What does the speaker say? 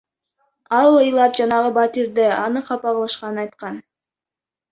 Ал ыйлап жанагы батирде аны капа кылышканын айткан.